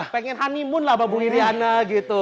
pengen honeymoon lah sama bu iriana gitu